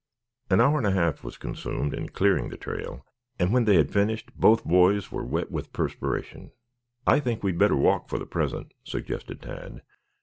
An hour and a half was consumed in clearing the trail, and, when they finished, both boys were wet with perspiration. "I think we had better walk for the present," suggested Tad.